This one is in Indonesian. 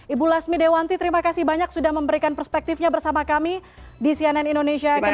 ibu lasmi dewanti terima kasih banyak sudah memberikan perspektifnya bersama kami di cnn indonesia connected